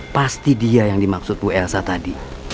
pasti dia yang dimaksud bu elsa tadi